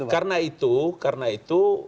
karena itu karena itu